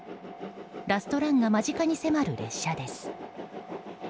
ラストランが間近に迫る列車です。